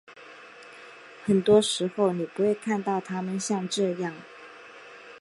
很多时候你不会看到他们像这样。